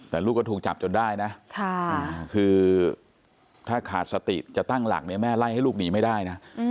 แต่ลูกก็ถูกจับจนได้นะคือถ้าขาดสติจะตั้งหลักเนี่ยแม่ไล่ให้ลูกหนีไม่ได้นะ